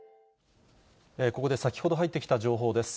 ここで先ほど入ってきた情報です。